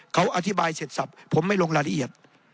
เขาอธิบายเสร็จสับผมไม่ลงรายละเอียด